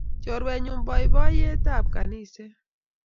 chorwenyu boyondetab kaniset